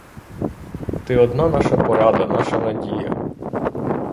Ти одна наша порада, наша надія!